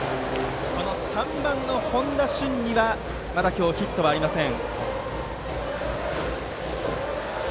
３番の本多駿にはまだ今日ヒットはありません。